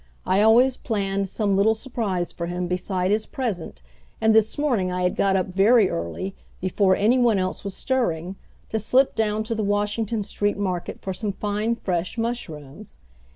I always planned some little surprise for him beside his present, and this morning I had got up very early, before any one else was stirring, to slip down to the Washington Street market for some fine fresh mushrooms.